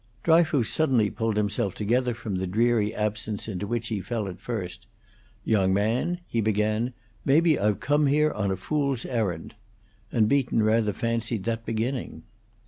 Dryfoos suddenly pulled himself together from the dreary absence into which he fell at first. "Young man," he began, "maybe I've come here on a fool's errand," and Beaton rather fancied that beginning.